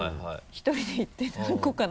１人で行っていただこうかなと。